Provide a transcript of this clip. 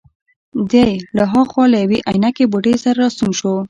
دی له هاخوا له یوې عینکې بوډۍ سره راستون شو.